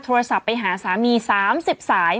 โทรศัพท์ไปหาสามี๓๐สาย